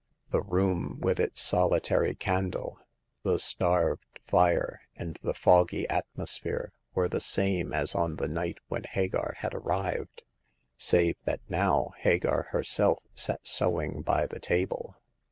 The room with its solitary candle, the starved fire, and the foggy atmosphere, were the same as on the night when Hagar had arrived, save that now Hagar herself sat sewing by the table.